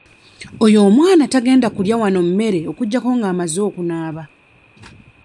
Oyo omwana tagenda kulya wanno mmere okuggyako ng'amaze okunaaba.